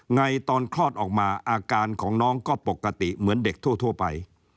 ไงตอนคลอดออกมาอาการของน้องก็ปกติเหมือนเด็กทั่วไป